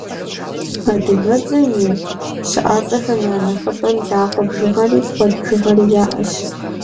Адыгэбзэм и щыӏэцӏэхэм я нэхъыбэм закъуэ бжыгъэри, куэд бжыгъэри яӏэщ.